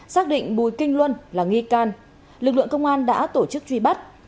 xác định bùi kinh luân là nghi can lực lượng công an đã tổ chức truy bắt